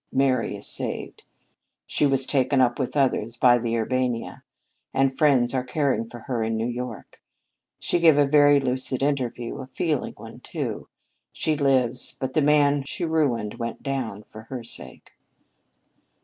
"Mary is saved. She was taken up with others by the Urbania, and friends are caring for her in New York. She gave a very lucid interview; a feeling one, too. She lives, but the man she ruined went down, for her sake."